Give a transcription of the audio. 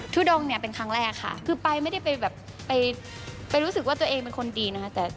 ทุดงเนี่ยเป็นครั้งแรกค่ะคือไปไม่ได้ไปแบบไปรู้สึกว่าตัวเองเป็นคนดีนะคะ